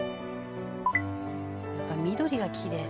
「やっぱ緑がきれい」